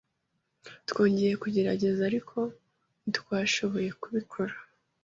Twongeye kugerageza, ariko ntitwashoboye kubikora.